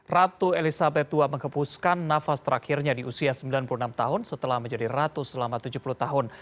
ratu elizabeth ii mengkepuskan nafas terakhirnya di usia sembilan puluh enam tahun setelah menjadi ratu selama tujuh puluh tahun